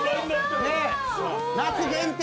夏限定。